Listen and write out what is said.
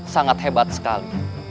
sangat hebat sekali